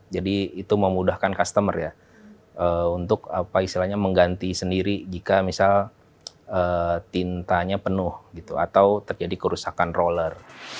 jadi itu memudahkan customer ya untuk mengganti sendiri jika misal tintanya penuh atau terjadi kerusakan roller